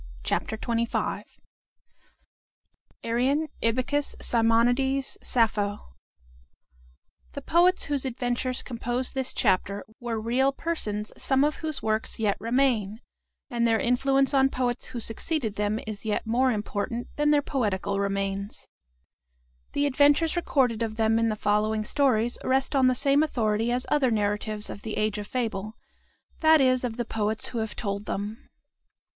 CHAPTER XXV ARION IBYCUS SIMONIDES SAPPHO The poets whose adventures compose this chapter were real persons some of whose works yet remain, and their influence on poets who succeeded them is yet more important than their poetical remains. The adventures recorded of them in the following stories rest on the same authority as other narratives of the "Age of Fable," that is, of the poets who have told them.